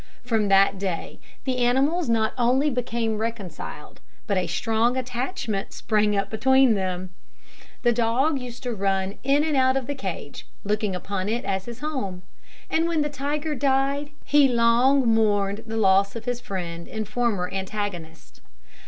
From that day the animals not only became reconciled, but a strong attachment sprang up between them. The dog used to run in and out of the cage, looking upon it as his home; and when the tiger died, he long evidently mourned the loss of his friend and former antagonist.